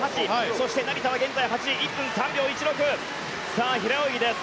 そして、成田は現在８位１分３秒１６平泳ぎです。